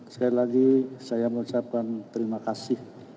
sekali lagi saya mengucapkan terima kasih